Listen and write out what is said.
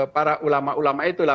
para ulama ulama itulah